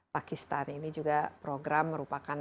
pakistan ini juga program merupakan